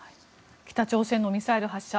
北朝鮮のミサイル発射